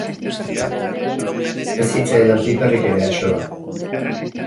Ez zitzaidan piperrik ere axola.